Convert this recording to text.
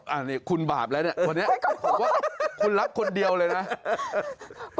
อันนี้คุณบาปแล้วเนี่ยวันนี้คุณหลับคนเดียวเลยนะโอ๊ยขอโทษ